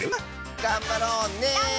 がんばろうね！